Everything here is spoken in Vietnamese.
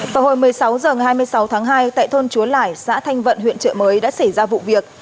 vào hồi một mươi sáu h ngày hai mươi sáu tháng hai tại thôn chúa lẻi xã thanh vận huyện trợ mới đã xảy ra vụ việc